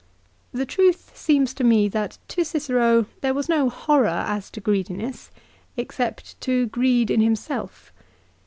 The truth seems to me that to Cicero there was no horror as to greediness, except to greed in himself.